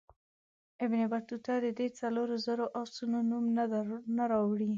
ابن بطوطه د دې څلورو زرو آسونو نوم نه راوړي.